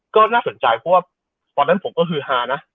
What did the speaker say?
ก็น่าสนใจเพราะว่าตอนนั้นผมก็คือฮานะ